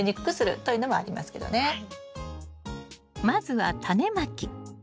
まずはタネまき。